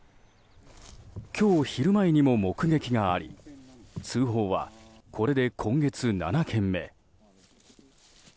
今日、昼前にも目撃があり通報はこれで今月７件目。